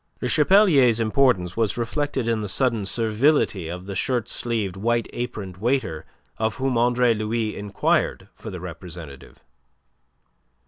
Le Chapelier's importance was reflected in the sudden servility of the shirt sleeved, white aproned waiter of whom Andre Louis inquired for the representative.